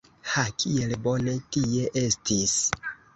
Ha, kiel bone tie estis!